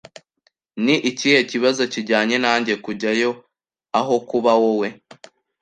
Ni ikihe kibazo kijyanye nanjye kujyayo aho kuba wowe?